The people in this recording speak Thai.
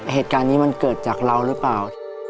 เหตุการณ์นี้มันเกิดจากเราหรือเปล่า